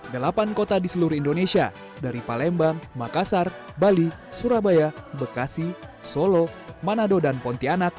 delapan kota di seluruh indonesia dari palembang makassar bali surabaya bekasi solo manado dan pontianak